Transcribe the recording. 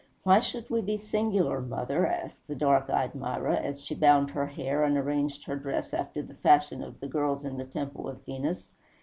"Why should we be singular, mother?" said the dark eyed Myrrah, as she bound her hair and arranged her dress after the fashion of the girls in the temple of Venus.